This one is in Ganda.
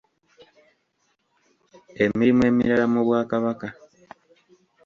Emirimu emirala mu bwakabaka.